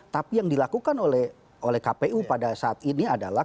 tapi yang dilakukan oleh kpu pada saat ini adalah